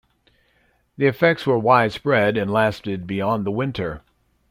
The effects were widespread and lasted beyond the winter.